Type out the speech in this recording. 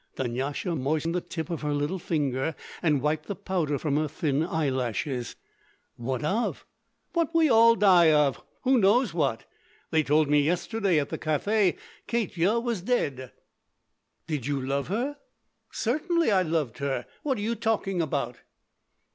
Dunyasha moistened the tip of her little finger and wiped the powder from her thin eye lashes. "What of?" "What all die of. Who knows what? They told me yesterday at the cafe, Katya was dead." "Did you love her?" "Certainly I loved her! What are you talking about!"